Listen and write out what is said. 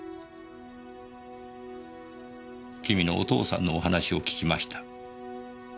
君のお父さんのお話を聞きました。